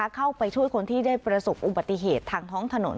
เข้าไปช่วยคนที่ได้ประสบอุบัติเหตุทางท้องถนน